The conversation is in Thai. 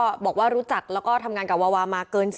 พี่น้องวาวาหรือว่าน้องวาวาหรือ